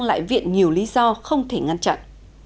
lại viện nhiều lý do không thể ngăn chặn